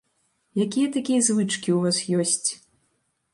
Якія такія звычкі ў вас ёсць?